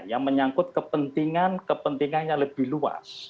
yang menyangkut kepentingan kepentingannya lebih luas